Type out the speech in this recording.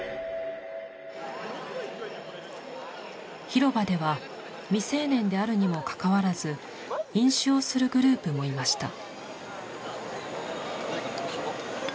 広場では未成年であるにもかかわらず飲酒をするグループもいました。